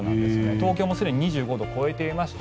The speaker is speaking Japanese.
東京もすでに２５度を超えていまして